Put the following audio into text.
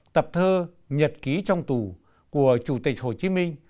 tập thơ nhật ký trong tù của chủ tịch hồ chí minh